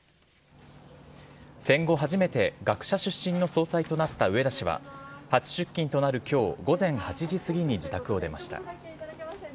戦後初めて、学者出身の総裁となった植田氏は、初出勤となるきょう、午前８時過ぎに自宅を出ました。